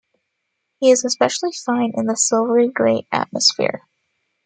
He is especially fine in the silvery-gray atmosphere.